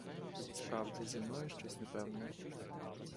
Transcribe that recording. Справді, зі мною щось непевне.